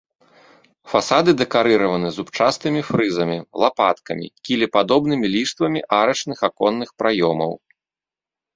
Фасады дэкарыраваны зубчастымі фрызамі, лапаткамі, кілепадобнымі ліштвамі арачных аконных праёмаў.